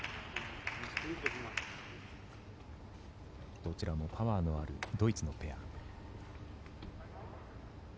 どちらもパワーのあるドイツのペア。